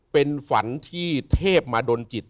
เป็นฝันที่เทพมาดนจิต